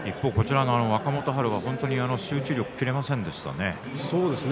若元春は集中力が切れませんでしたね。